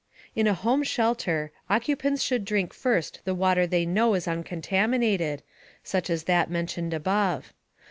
In a home shelter, occupants should drink first the water they know is uncontaminated, such as that mentioned above.